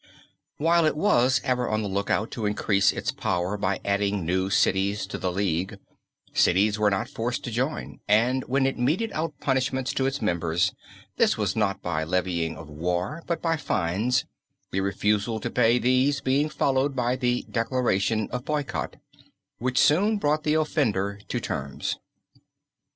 While it was ever on the look out to increase its power by adding new cities to the League, cities were not forced to join and when it meted out punishments to its members this was not by the levying of war but by fines, the refusal to pay these being followed by the "declaration of boycott," which soon brought the offender to terms.